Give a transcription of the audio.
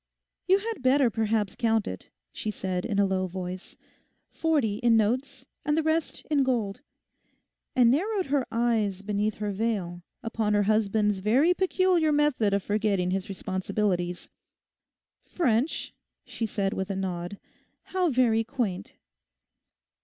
'You had better perhaps count it,' she said in a low voice—'forty in notes, the rest in gold,' and narrowed her eyes beneath her veil upon her husband's very peculiar method of forgetting his responsibilities. 'French?' she said with a nod. 'How very quaint.